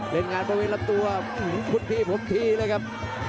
เล่นงานบริเวณลำตัวคุณทีผมทีเลยครับ